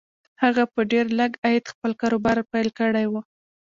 هغه په ډېر لږ عاید خپل کاروبار پیل کړی و